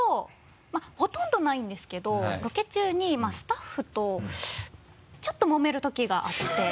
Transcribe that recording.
まぁほとんどないんですけどロケ中にスタッフとちょっともめるときがあって。